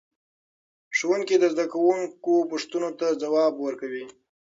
ښوونکي د زده کوونکو پوښتنو ته ځواب ورکوي.